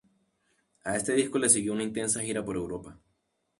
A este disco le siguió una intensa gira por Europa.